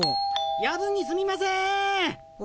夜分にすみません！